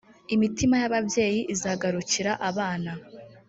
imitima y ababyeyi izagarukira abana